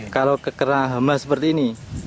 kalau kekerah hama seperti ini